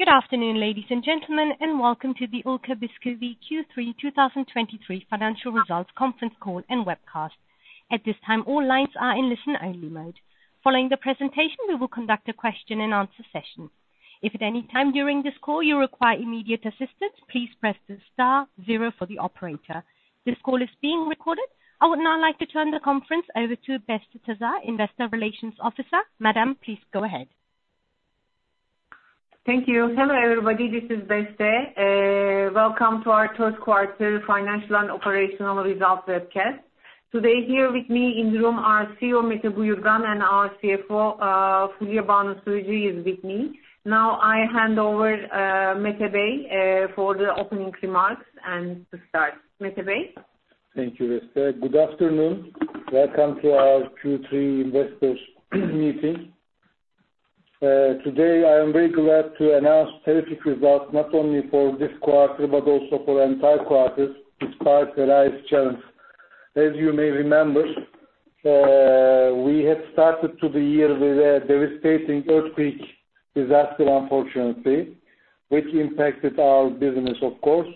Good afternoon, ladies and gentlemen, and welcome to the Ülker Bisküvi Q3 2023 financial results conference call and webcast. At this time, all lines are in listen-only mode. Following the presentation, we will conduct a question and answer session. If at any time during this call you require immediate assistance, please press the star zero for the operator. This call is being recorded. I would now like to turn the conference over to Beste Taşar, Investor Relations Director. Madame, please go ahead. Thank you. Hello, everybody. This is Beste. Welcome to our third quarter financial and operational results webcast. Today here with me in the room are CEO Mete Buyurgan and our CFO Fulya Banu Sürücü is with me. I hand over Mete Bey for the opening remarks and to start. Mete Bey. Thank you, Beste. Good afternoon. Welcome to our Q3 investors meeting. Today I am very glad to announce terrific results not only for this quarter but also for the entire quarter, despite the life's challenge. As you may remember, we had started to the year with a devastating earthquake disaster, unfortunately, which impacted our business, of course,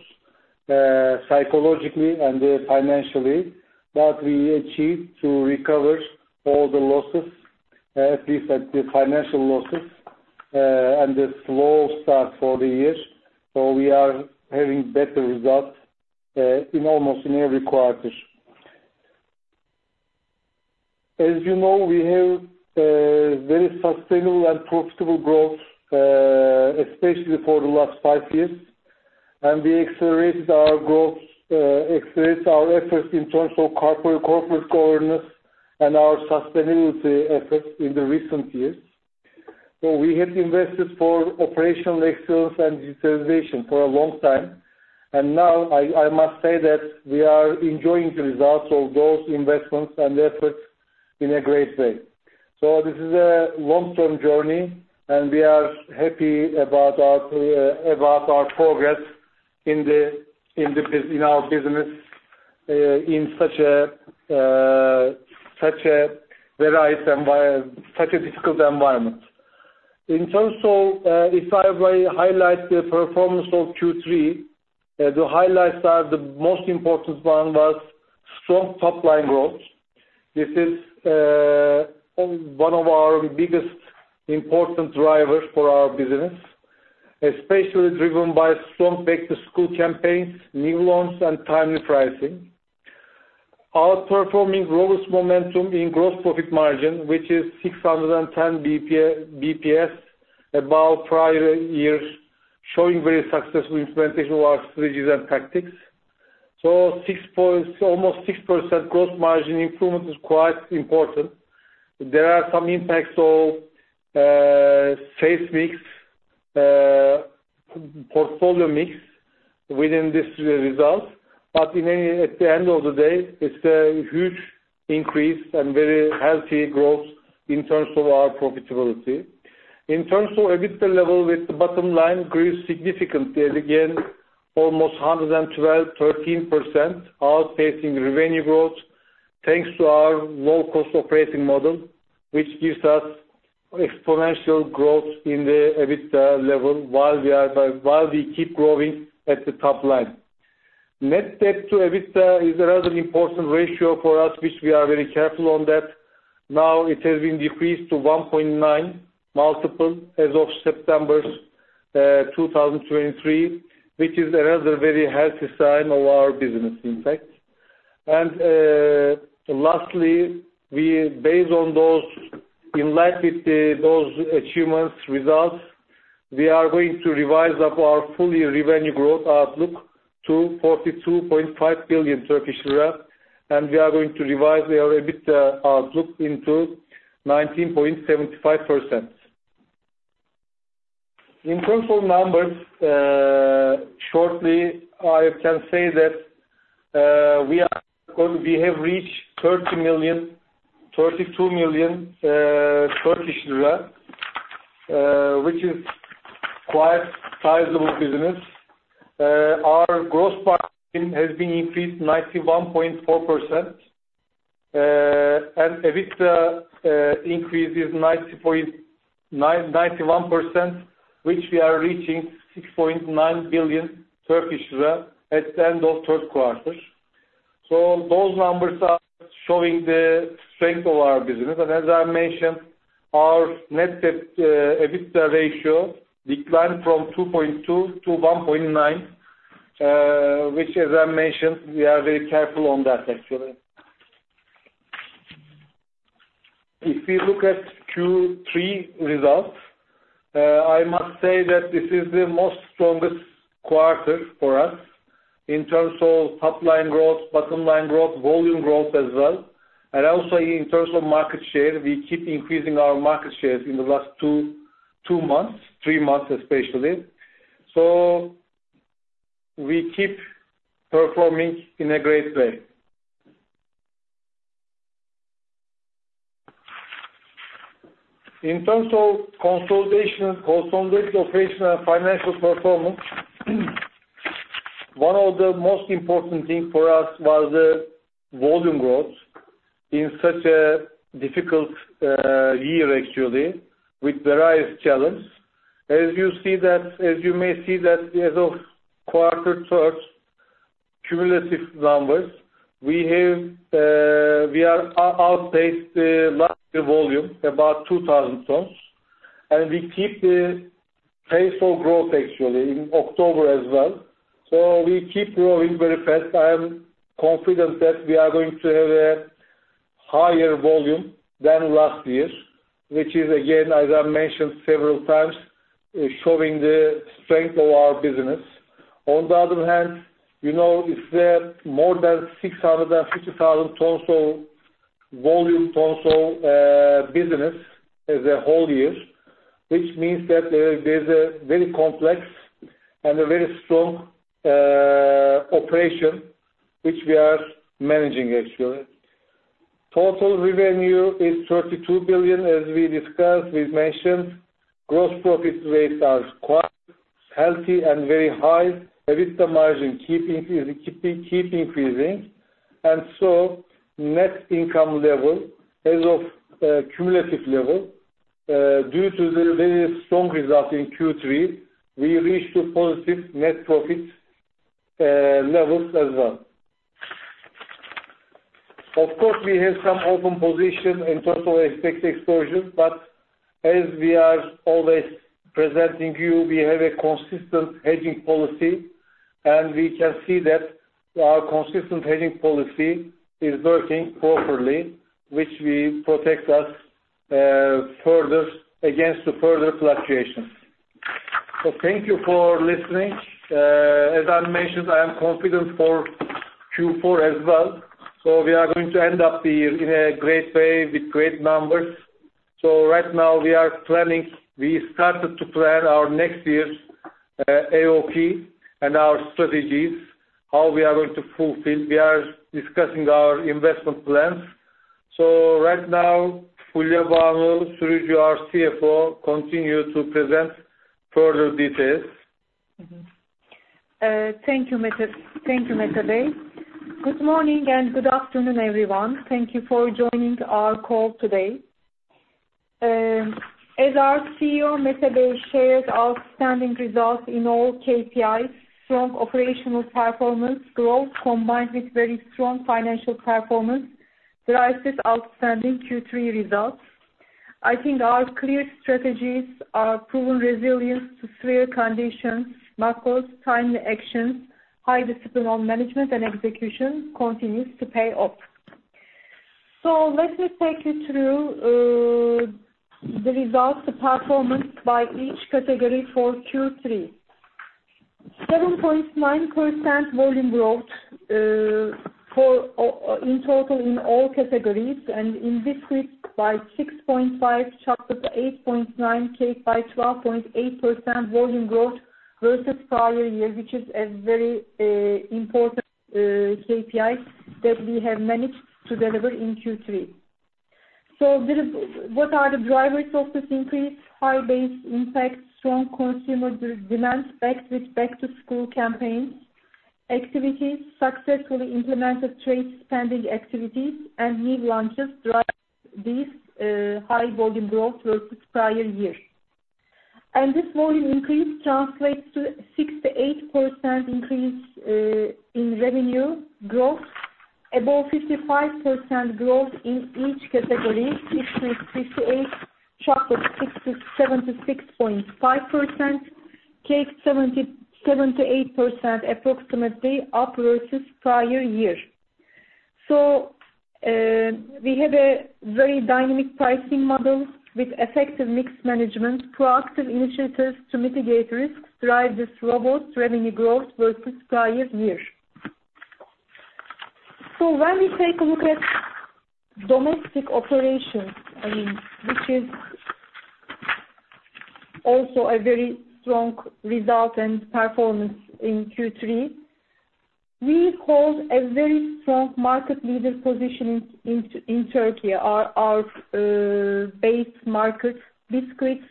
psychologically and financially. But we achieved to recover all the losses, at least the financial losses, and the slow start for the year. We are having better results in almost in every quarter. As you know, we have very sustainable and profitable growth, especially for the last five years, and we accelerated our growth, accelerated our efforts in terms of corporate governance and our sustainability efforts in the recent years. We have invested for operational excellence and digitalization for a long time, and now I must say that we are enjoying the results of those investments and efforts in a great way. This is a long-term journey, and we are happy about our progress in our business, in such a difficult environment. In terms of if I highlight the performance of Q3, the highlights are the most important one was strong top-line growth. This is one of our biggest important drivers for our business, especially driven by strong back-to-school campaigns, new launches, and timely pricing. Outperforming robust momentum in gross profit margin, which is 610 basis points, above prior years, showing very successful implementation of our strategies and tactics. Almost 6% gross margin improvement is quite important. There are some impacts of sales mix, portfolio mix within this result. At the end of the day, it's a huge increase and very healthy growth in terms of our profitability. In terms of EBITDA level, the bottom line grew significantly again, almost 112%-113% outpacing revenue growth thanks to our low-cost operating model, which gives us exponential growth in the EBITDA level while we keep growing at the top line. Net Debt to EBITDA is another important ratio for us, which we are very careful on that. Now it has been decreased to 1.9x multiple as of September 2023, which is another very healthy sign of our business impact. Lastly, based on those, in light with those achievements results, we are going to revise up our full year revenue growth outlook to 42.5 billion Turkish lira. We are going to revise our EBITDA outlook into 19.75%. In terms of numbers, shortly, I can say that we have reached 32 million Turkish lira, which is quite sizable business. Our gross profit has been increased 91.4%, and EBITDA increase is 91%, which we are reaching 6.9 billion Turkish lira at the end of third quarter. Those numbers are showing the strength of our business. As I mentioned, our Net Debt to EBITDA ratio declined from 2.2-1.9, which as I mentioned, we are very careful on that actually. If you look at Q3 results, I must say that this is the most strongest quarter for us in terms of top-line growth, bottom-line growth, volume growth as well. Also in terms of market share, we keep increasing our market shares in the last two months, three months, especially. We keep performing in a great way. In terms of consolidated operational financial performance, one of the most important thing for us was the volume growth in such a difficult year actually, with various challenge. As you may see that as of quarter thirds cumulative numbers, we outpaced the last volume about 2,000 tons, and we keep the pace of growth actually in October as well. We keep growing very fast. I am confident that we are going to have a higher volume than last year, which is again, as I mentioned several times, showing the strength of our business. On the other hand, it's the more than 650,000 tons of volume business as a whole year, which means that there's a very complex and a very strong operation, which we are managing actually. Total revenue is 32 billion, as we discussed, we've mentioned. Gross profit rates are quite healthy and very high. EBITDA margin keep increasing. Net income level as of cumulative level, due to the very strong result in Q3, we reached a positive net profit levels as well. Of course, we have some open position in total expected exposure, but as we are always presenting you, we have a consistent hedging policy, and we can see that our consistent hedging policy is working properly, which will protect us against the further fluctuations. Thank you for listening. As I mentioned, I am confident for Q4 as well. We are going to end up the year in a great way with great numbers. Right now we started to plan our next year's AOP and our strategies, how we are going to fulfill. We are discussing our investment plans. Right now, Fulya Bahadir, our CFO, continue to present further details. Thank you, Mete. Good morning and good afternoon, everyone. Thank you for joining our call today. As our CEO, Mete, shared outstanding results in all KPIs, strong operational performance growth combined with very strong financial performance, drives this outstanding Q3 results. I think our clear strategies are proven resilient to severe conditions. Makro's timely actions, high discipline on management, and execution continues to pay off. Let me take you through the results of performance by each category for Q3. 7.9% volume growth in total in all categories, and in biscuits by 6.5%, chocolate by 8.9%, cake by 12.8% volume growth versus prior year, which is a very important KPI that we have managed to deliver in Q3. What are the drivers of this increase? High base impact, strong consumer demand backed with back-to-school campaigns, activities, successfully implemented trade spending activities, and new launches drive this high volume growth versus prior year. This volume increase translates to 6%-8% increase in revenue growth. Above 55% growth in each category. Biscuits 58%, chocolate 76.5%, cake 78% approximately up versus prior year. We have a very dynamic pricing model with effective mix management, proactive initiatives to mitigate risks drive this robust revenue growth versus prior year. When we take a look at domestic operations, which is also a very strong result and performance in Q3. We hold a very strong market leader position in Turkey, our base market. Biscuits,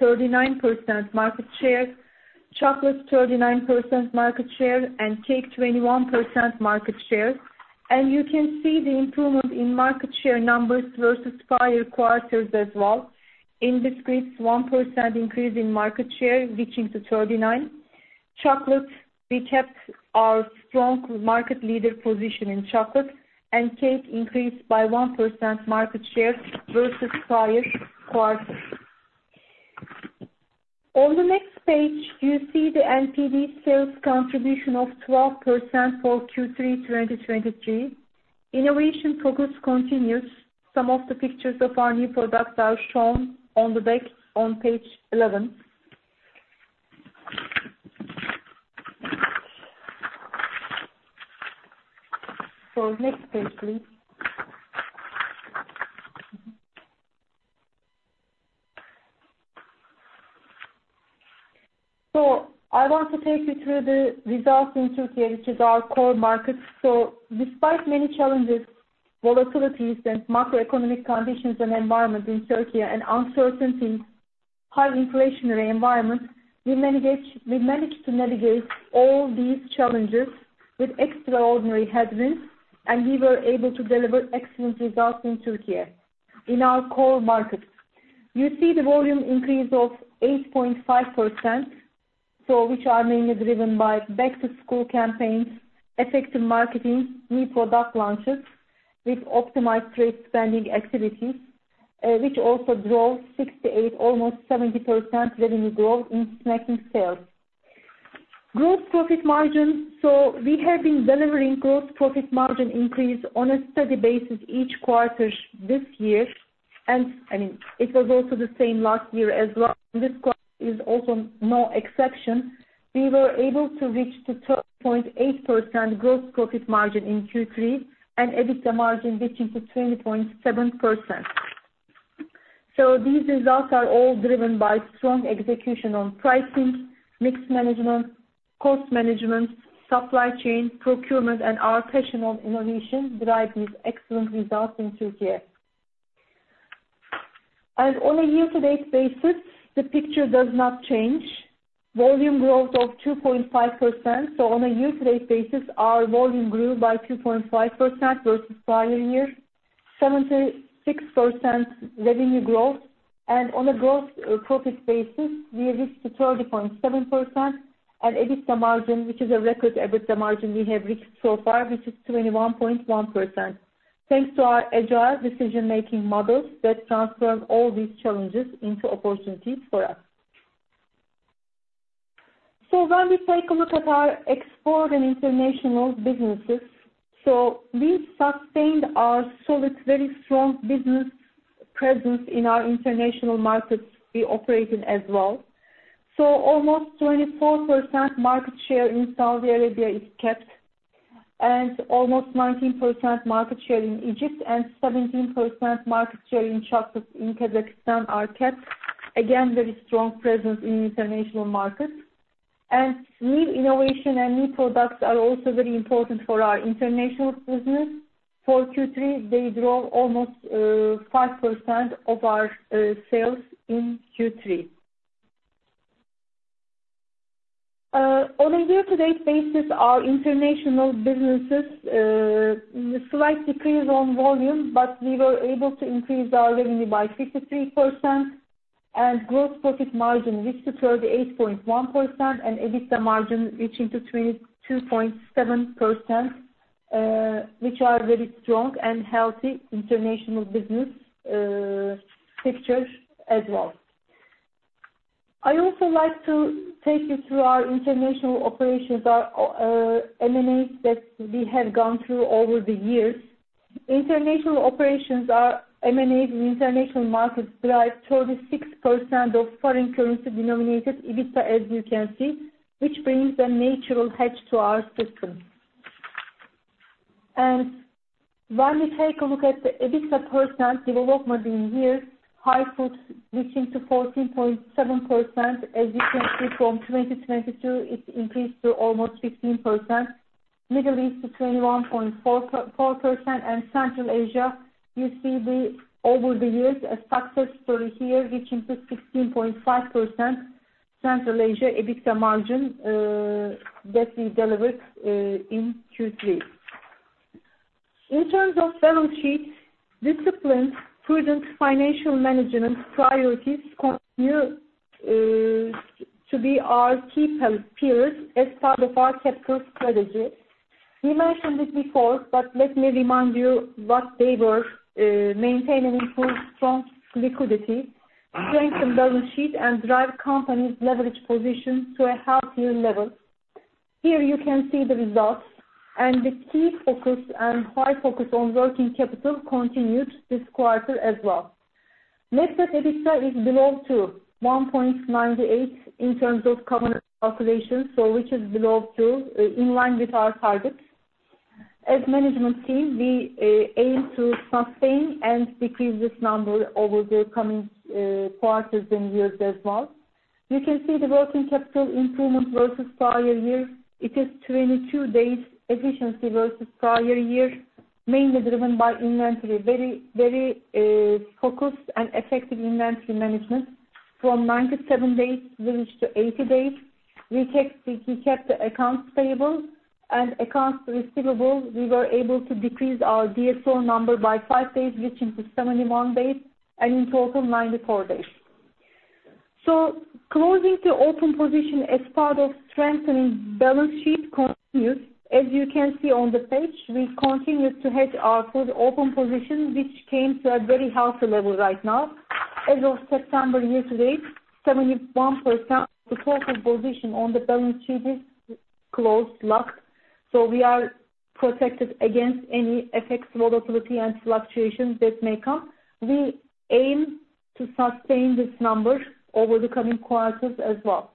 39% market share, chocolate 39% market share, and cake 21% market share. You can see the improvement in market share numbers versus prior quarters as well. In biscuits, 1% increase in market share reaching to 39%. Chocolate, we kept our strong market leader position in chocolate, and cake increased by 1% market share versus prior quarter. On the next page, you see the NPD sales contribution of 12% for Q3 2023. Innovation focus continues. Some of the pictures of our new products are shown on the back on page 11. Next page, please. I want to take you through the results in Turkey, which is our core market. Despite many challenges, volatilities, and macroeconomic conditions and environment in Turkey, and uncertainties, high inflationary environment. We managed to navigate all these challenges with extraordinary headwinds, and we were able to deliver excellent results in Turkey. In our core markets, you see the volume increase of 8.5%, which are mainly driven by back-to-school campaigns, effective marketing, new product launches with optimized trade spending activities, which also drove 68%, almost 70% revenue growth in snacking sales. Gross profit margin. We have been delivering gross profit margin increase on a steady basis each quarter this year, and it was also the same last year as well. This quarter is also no exception. We were able to reach to 12.8% gross profit margin in Q3 and EBITDA margin reaching to 20.7%. These results are all driven by strong execution on pricing, mix management, cost management, supply chain procurement, and our passion on innovation drive these excellent results in Turkey. On a year-to-date basis, the picture does not change. Volume growth of 2.5%. On a year-to-date basis, our volume grew by 2.5% versus prior year, 76% revenue growth, and on a gross profit basis, we reached to 30.7%. EBITDA margin, which is a record EBITDA margin we have reached so far, which is 21.1%. Thanks to our agile decision-making models that transformed all these challenges into opportunities for us. When we take a look at our export and international businesses, we sustained our solid, very strong business presence in our international markets we operate in as well. Almost 24% market share in Saudi Arabia is kept, and almost 19% market share in Egypt, and 17% market share in Kazakhstan are kept. Again, very strong presence in international markets. New innovation and new products are also very important for our international business. For Q3, they drove almost 5% of our sales in Q3. On a year-to-date basis, our international businesses, slight decrease on volume, but we were able to increase our revenue by 53% and gross profit margin reached to 38.1% and EBITDA margin reaching to 22.7%, which are very strong and healthy international business pictures as well. I also like to take you through our international operations, our M&As that we have gone through over the years. International operations are M&A in international markets drive 36% of foreign currency denominated EBITDA, as you can see, which brings a natural hedge to our system. When we take a look at the EBITDA percent development in year, Hyfood reaching to 14.7%. As you can see from 2022, it increased to almost 15%. Middle East to 21.4%. Central Asia, you see over the years a success story here reaching to 16.5% Central Asia EBITDA margin that we delivered in Q3. In terms of balance sheet discipline, prudent financial management priorities continue to be our key pillars as part of our capital strategy. We mentioned it before, but let me remind you what they were. Maintain and improve strong liquidity, strengthen balance sheet, and drive company's leverage position to a healthier level. Here you can see the results. The key focus and high focus on working capital continued this quarter as well. Net Debt to EBITDA is below 2, 1.98 in terms of covenant calculation, which is below 2, in line with our targets. As management team, we aim to sustain and decrease this number over the coming quarters and years as well. You can see the working capital improvement versus prior year. It is 22 days efficiency versus prior year, mainly driven by inventory. Very focused and effective inventory management. From 97 days, we reached to 80 days. We kept the accounts payable and accounts receivable. We were able to decrease our DSO number by five days, reaching to 71 days, and in total, 94 days. Closing the open position as part of strengthening balance sheet continues. As you can see on the page, we continued to hedge our food open position, which came to a very healthy level right now. As of September year-to-date, 71% of the total position on the balance sheet is closed, locked. We are protected against any FX volatility and fluctuations that may come. We aim to sustain this number over the coming quarters as well.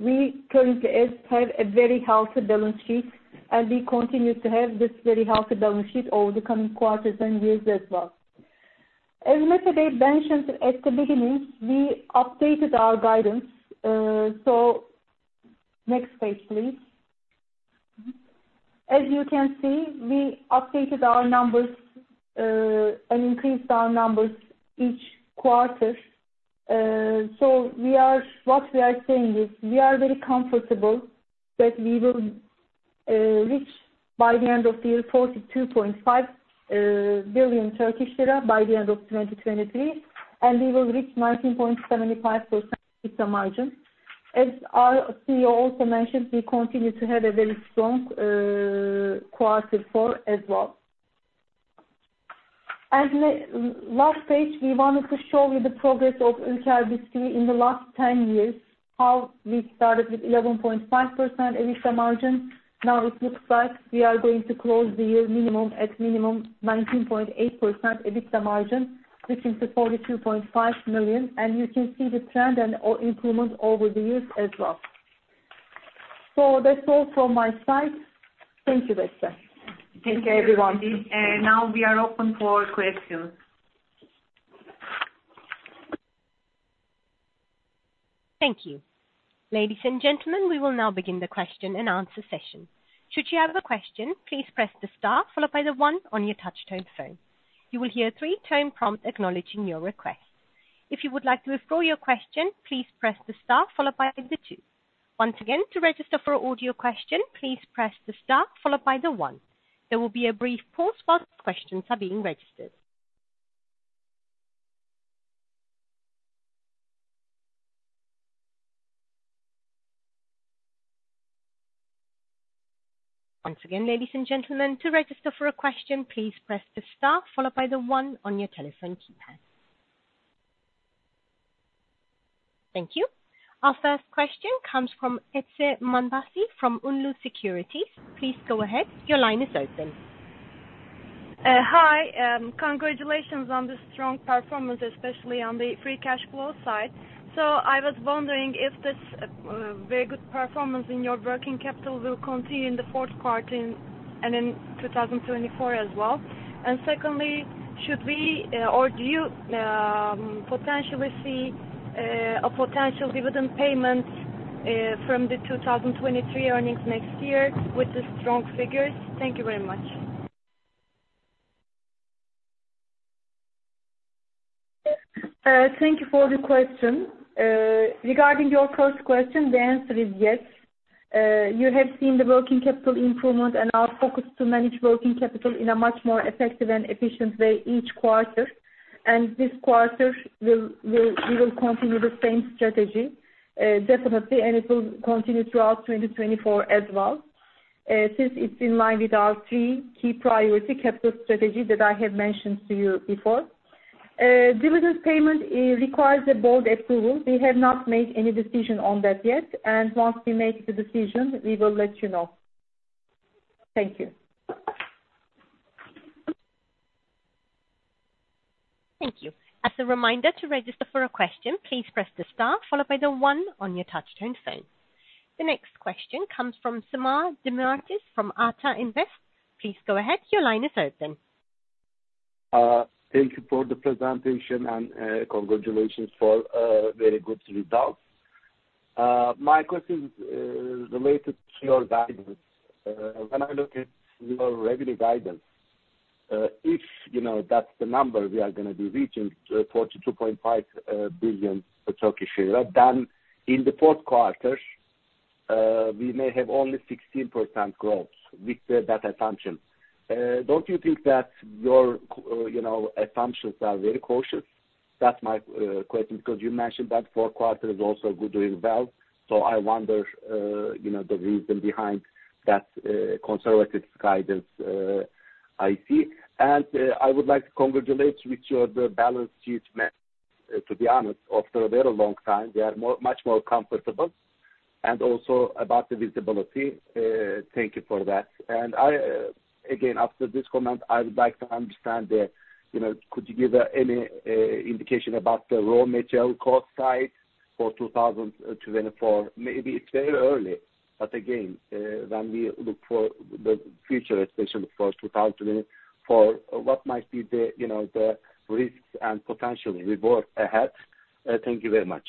We currently have a very healthy balance sheet, and we continue to have this very healthy balance sheet over the coming quarters and years as well. As Mete Bey mentioned at the beginning, we updated our guidance. Next page, please. As you can see, we updated our numbers, increased our numbers each quarter. What we are saying is, we are very comfortable that we will reach by the end of the year 42.5 billion Turkish lira by the end of 2023, and we will reach 19.75% EBITDA margin. As our CEO also mentioned, we continue to have a very strong quarter four as well. Last page, we wanted to show you the progress of Ülker Bisküvi in the last 10 years, how we started with 11.5% EBITDA margin. Now it looks like we are going to close the year at minimum 19.8% EBITDA margin reaching to 42.5 million TRY. You can see the trend and improvement over the years as well. That's all from my side. Thank you, Beste. Thank you, everybody. Now we are open for questions. Thank you. Ladies and gentlemen, we will now begin the question and answer session. Should you have a question, please press the star followed by the one on your touch tone phone. You will hear a three-tone prompt acknowledging your request. If you would like to withdraw your question, please press the star followed by the two. Once again, to register for an audio question, please press the star followed by the one. There will be a brief pause while questions are being registered. Once again, ladies and gentlemen, to register for a question, please press the star followed by the one on your telephone keypad. Thank you. Our first question comes from Ece Mandacı from ÜNLÜ Securities. Please go ahead. Your line is open. Hi. Congratulations on the strong performance, especially on the free cash flow side. I was wondering if this very good performance in your working capital will continue in the fourth quarter and in 2024 as well. Secondly, should we, or do you, potentially see a potential dividend payment from the 2023 earnings next year with the strong figures? Thank you very much. Thank you for the question. Regarding your first question, the answer is yes. You have seen the working capital improvement and our focus to manage working capital in a much more effective and efficient way each quarter. This quarter, we will continue the same strategy, definitely, and it will continue throughout 2024 as well. Since it's in line with our three key priority capital strategy that I have mentioned to you before. Dividends payment requires a board approval. We have not made any decision on that yet, and once we make the decision, we will let you know. Thank you. Thank you. As a reminder, to register for a question, please press the star followed by the one on your touch tone phone. The next question comes from Cemal Demirtaş from Ata Invest. Please go ahead. Your line is open. Thank you for the presentation, congratulations for very good results. My question is related to your guidance. When I look at your revenue guidance, if that's the number we are going to be reaching, 42.5 billion Turkish lira, then in the fourth quarter, we may have only 16% growth with that assumption. Don't you think that your assumptions are very cautious? That's my question, because you mentioned that fourth quarter is also doing well. I wonder the reason behind that conservative guidance I see. I would like to congratulate with your balance sheet, to be honest, after a very long time, we are much more comfortable. Also about the visibility, thank you for that. Again, after this comment, I would like to understand, could you give any indication about the raw material cost side for 2024? Maybe it's very early. Again, when we look for the future, especially for 2024, what might be the risks and potential rewards ahead? Thank you very much.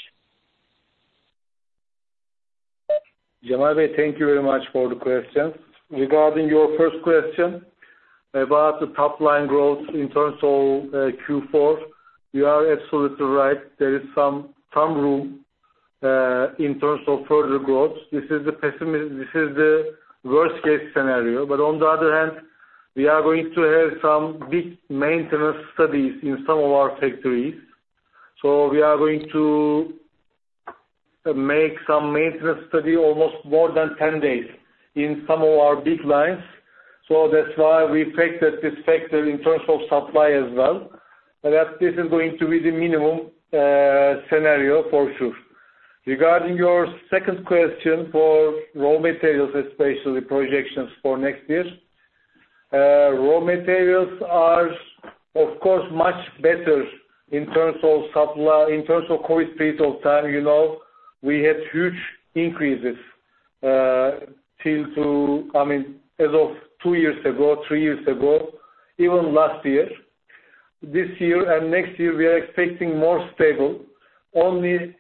Samar, thank you very much for the question. Regarding your first question about the top line growth in terms of Q4, you are absolutely right. There is some room in terms of further growth. This is the worst-case scenario. On the other hand, we are going to have some big maintenance studies in some of our factories. We are going to make some maintenance study almost more than 10 days in some of our big lines. That's why we take this factor in terms of supply as well, that this is going to be the minimum scenario for sure. Regarding your second question for raw materials, especially projections for next year. Raw materials are, of course, much better in terms of supply. In terms of COVID period of time, we had huge increases as of two years ago, three years ago, even last year. This year and next year, we are expecting more stable, only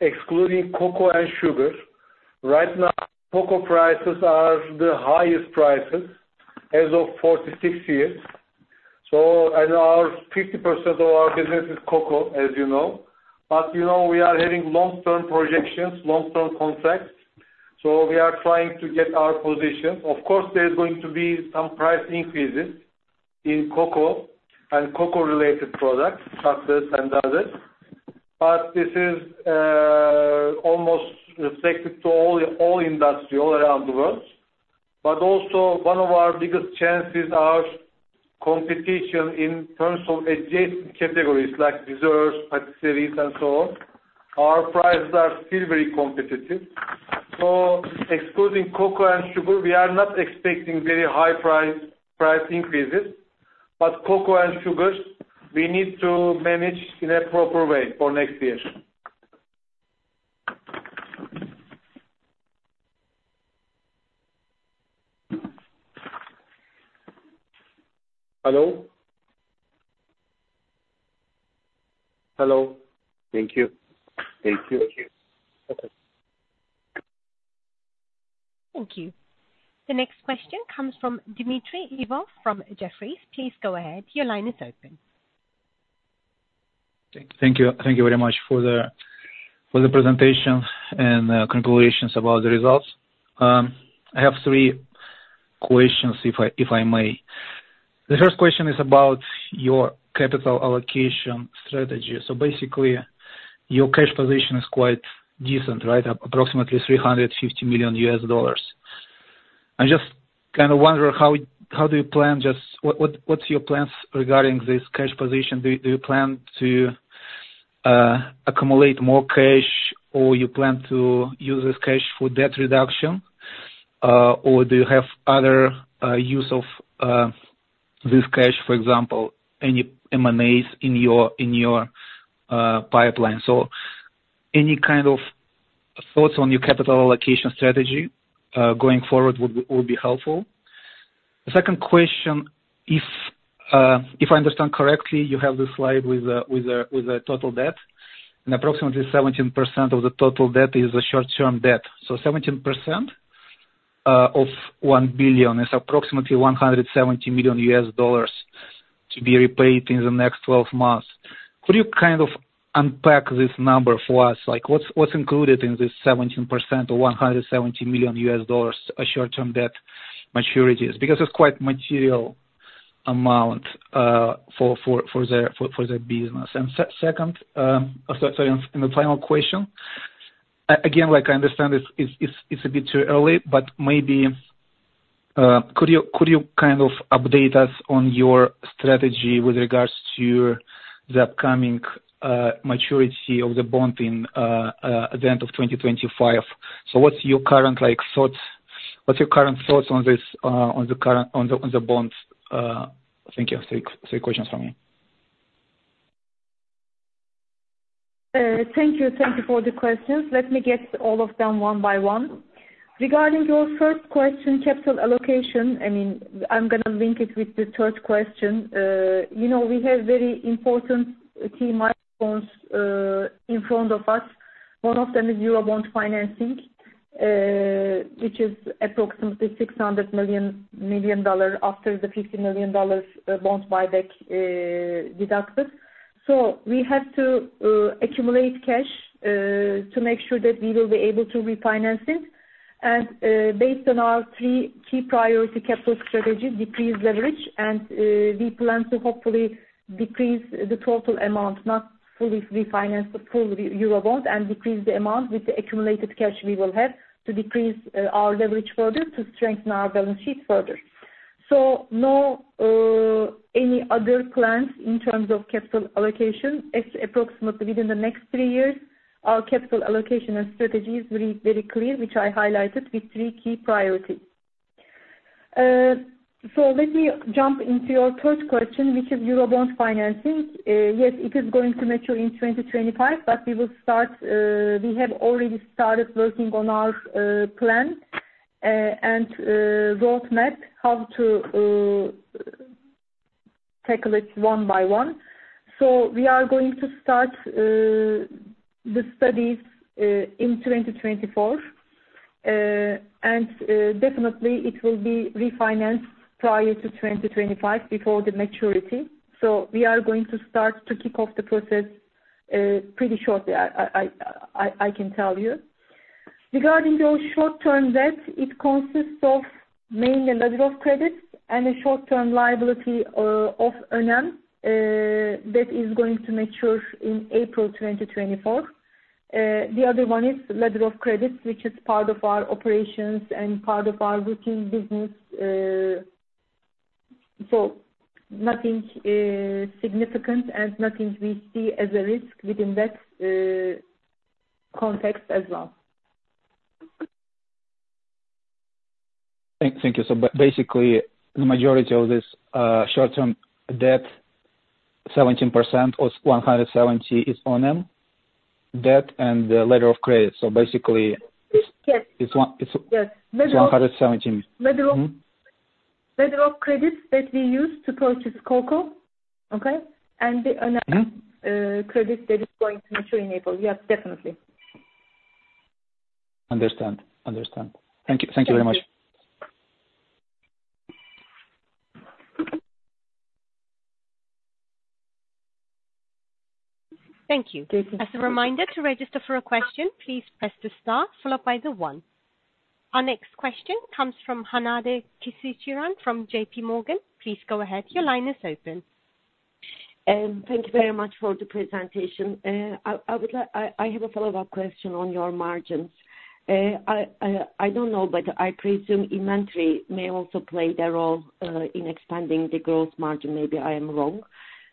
excluding cocoa and sugar. Right now, cocoa prices are the highest prices as of 46 years. 50% of our business is cocoa, as you know. We are having long-term projections, long-term contracts, so we are trying to get our position. Of course, there's going to be some price increases in cocoa and cocoa-related products, chocolates and others. This is almost affected to all industry all around the world. Also one of our biggest chances are competition in terms of adjacent categories like desserts, patisseries, and so on. Our prices are still very competitive. Excluding cocoa and sugar, we are not expecting very high price increases. Cocoa and sugars, we need to manage in a proper way for next year. Hello? Hello. Thank you. Thank you. Okay. Thank you. The next question comes from Dmitry Ivanov from Jefferies. Please go ahead. Your line is open. Thank you very much for the presentation and the conclusions about the results. I have three questions, if I may. The first question is about your capital allocation strategy. Basically, your cash position is quite decent, right? Approximately $350 million. I just wonder, what's your plans regarding this cash position? Do you plan to accumulate more cash, or you plan to use this cash for debt reduction? Or do you have other use of this cash, for example, any M&As in your pipeline? Any kind of thoughts on your capital allocation strategy, going forward would be helpful. The second question, if I understand correctly, you have this slide with the total debt, and approximately 17% of the total debt is the short-term debt. 17% of 1 billion is approximately $170 million to be repaid in the next 12 months. Could you kind of unpack this number for us? What's included in this 17% or $170 million U.S. short-term debt maturities? Because it's quite material amount for the business. Second, sorry, and the final question. Again, I understand it's a bit too early, but maybe, could you kind of update us on your strategy with regards to the upcoming maturity of the bond at the end of 2025? What's your current thoughts on the bonds? Thank you. Three questions from me. Thank you for the questions. Let me get all of them one by one. Regarding your first question, capital allocation, I'm going to link it with the third question. We have very important key milestones in front of us. One of them is Eurobond financing, which is approximately $600 million after the $50 million bonds buyback deducted. We have to accumulate cash to make sure that we will be able to refinance it. Based on our three key priority capital strategy, decrease leverage, and we plan to hopefully decrease the total amount, not fully refinance the full Eurobonds and decrease the amount with the accumulated cash we will have to decrease our leverage further to strengthen our balance sheet further. No any other plans in terms of capital allocation. Approximately within the next three years, our capital allocation and strategy is very clear, which I highlighted with three key priorities. Let me jump into your third question, which is Eurobond financing. Yes, it is going to mature in 2025, but we have already started working on our plan, and roadmap how to tackle it one by one. We are going to start the studies in 2024. Definitely it will be refinanced prior to 2025 before the maturity. We are going to start to kick off the process pretty shortly, I can tell you. Regarding your short-term debt, it consists of mainly letter of credits and a short-term liability of Önem that is going to mature in April 2024. The other one is letter of credits, which is part of our operations and part of our routine business. Nothing significant and nothing we see as a risk within that context as well. Thank you. Basically, the majority of this short-term debt, 17% or 170 is Önem? Debt and the letter of credit. Yes it's TRY 117. Letter of credits that we use to purchase cocoa, okay, and the other credit that is going to mature in April. Yes, definitely. Understand. Thank you very much. Thank you. Thank you. As a reminder, to register for a question, please press the star followed by the one. Our next question comes from Hanade Qasiran from J.P. Morgan. Please go ahead. Your line is open. Thank you very much for the presentation. I have a follow-up question on your margins. I don't know, but I presume inventory may also play the role in expanding the gross margin. Maybe I am wrong.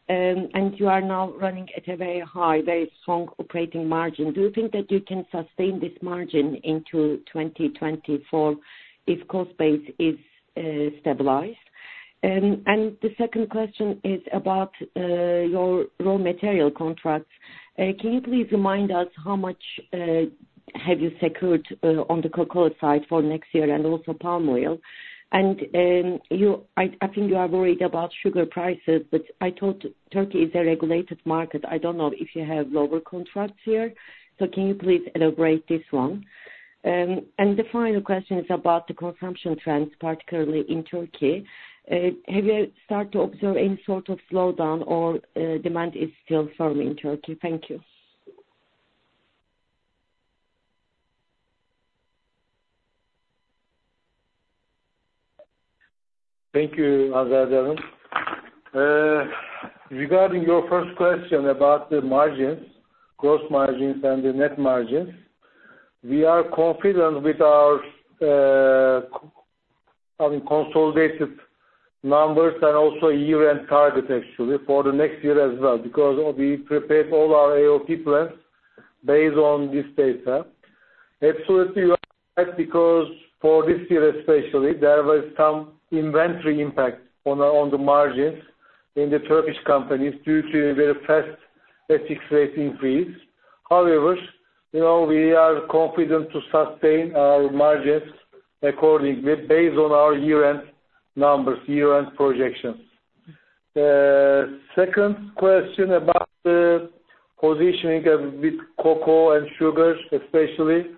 You are now running at a very high, very strong operating margin. Do you think that you can sustain this margin into 2024 if cost base is stabilized? The second question is about your raw material contracts. Can you please remind us how much have you secured on the cocoa side for next year and also palm oil? I think you are worried about sugar prices, but I thought Turkey is a regulated market. I don't know if you have lower contracts here. Can you please elaborate this one? The final question is about the consumption trends, particularly in Turkey. Have you started to observe any sort of slowdown or demand is still firm in Turkey? Thank you. Thank you, Hanade. Regarding your first question about the margins, gross margins, and the net margins, we are confident with our consolidated numbers and also year-end target actually for the next year as well, because we prepared all our AOP plans based on this data. Absolutely you are right because for this year especially, there was some inventory impact on the margins in the Turkish companies due to a very fast FX rate increase. However, we are confident to sustain our margins accordingly based on our year-end numbers, year-end projections. Second question about the positioning with cocoa and sugars, especially.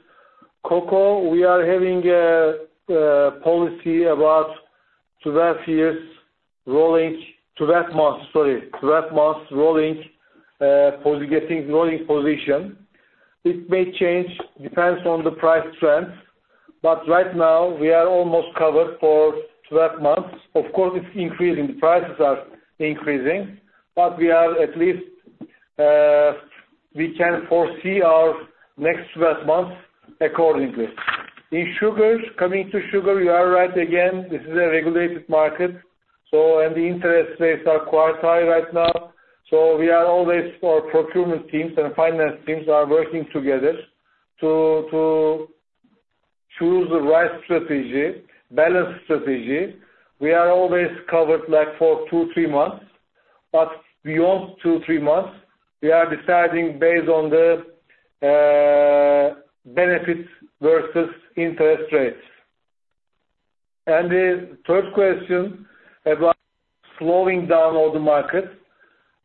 Cocoa, we are having a policy about 12 months, sorry, 12 months rolling position. It may change, depends on the price trends, but right now we are almost covered for 12 months. Of course, it's increasing. The prices are increasing, but we can foresee our next 12 months accordingly. In sugars, coming to sugar, you are right again, this is a regulated market. The interest rates are quite high right now. Our procurement teams and finance teams are working together to choose the right strategy, balanced strategy. We are always covered like for two, three months, but beyond two, three months, we are deciding based on the benefits versus interest rates. The third question about slowing down all the markets.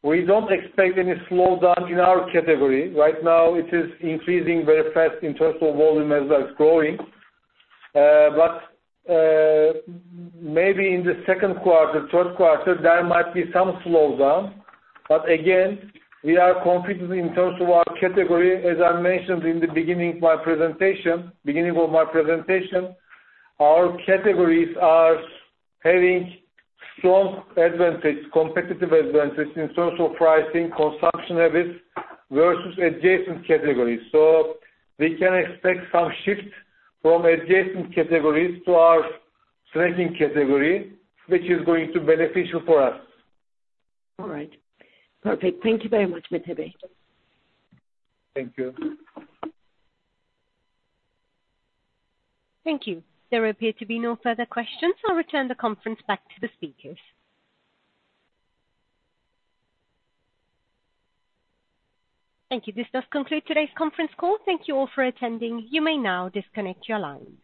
We don't expect any slowdown in our category. Right now it is increasing very fast in terms of volume as well, it's growing. Maybe in the second quarter, third quarter, there might be some slowdown. Again, we are confident in terms of our category. As I mentioned in the beginning of my presentation, our categories are having strong advantage, competitive advantage in terms of pricing, consumption habits versus adjacent categories. We can expect some shift from adjacent categories to our strengthening category, which is going to beneficial for us. All right. Perfect. Thank you very much, Mete. Thank you. Thank you. There appear to be no further questions. I'll return the conference back to the speakers. Thank you. This does conclude today's conference call. Thank you all for attending. You may now disconnect your lines.